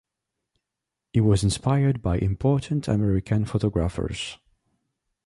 He was inspired by important American photographers.